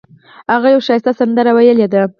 هغه یوه ښایسته سندره ویلې ده